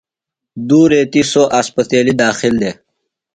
دو ریتیۡ سوۡ اسپتیلیۡ داخل دےۡ۔